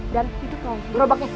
dan itu kau berobaknya